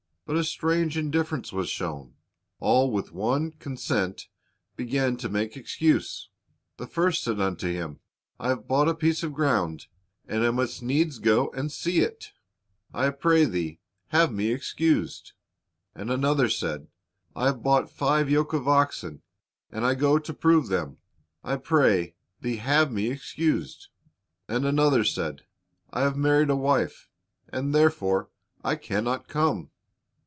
But a strange indifference was shown. "All with one consent began to make excuse. The first said unto him, I have bought a piece of ground, and I must needs go and see it; 1 Num. 23 : lo 222 Christ's Object Lessons I pray thee have me excused. And another said, I have bought five yoke of oxen, and I go to prove them; I pray thee have me excused. And another said, I have married a wife, and therefore I can not come."